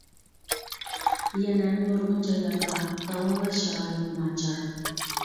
يەنە نۇرغۇن جايلاردا داۋالاش شارائىتى ناچار.